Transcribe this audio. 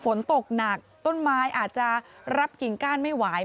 ฝนตกหนักต้นไม้อาจจะรับกิ่งก้านไม่ไหว